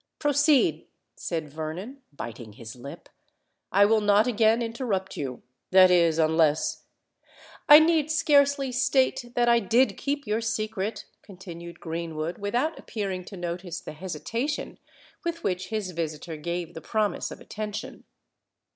"Proceed," said Vernon, biting his lip. "I will not again interrupt you: that is—unless——" "I need scarcely state that I did keep your secret," continued Greenwood, without appearing to notice the hesitation with which his visitor gave the promise of attention.